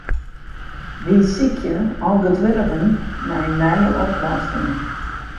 Wy sykje algeduerigen nei nije oplossingen.